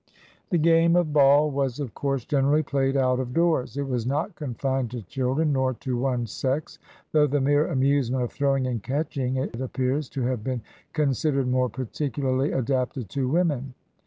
The game of ball was, of course, generally played out of doors. It was not confined to children, nor to one sex, though the mere amusement of throwing and catching it appears to have been considered more particularly adapted to women.